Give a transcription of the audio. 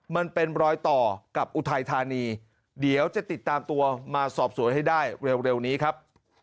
มันเป็นรอยต่อกับอุทัยธานีเดี๋ยวจะติดตามตัวมาสอบสวนให้ได้เร็วนี้ครับ